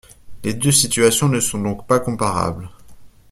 Les deux situations ne sont donc pas comparables.